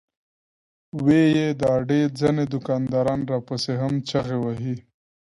وې ئې " د اډې ځنې دوکانداران راپسې هم چغې وهي